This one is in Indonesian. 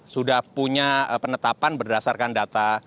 sudah punya penetapan berdasarkan data